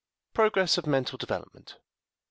Progress of Mental Development.